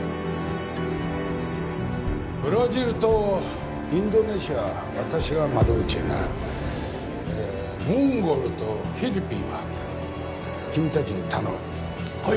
ブラジルとインドネシアは私が窓口になるモンゴルとフィリピンは君達に頼むはい！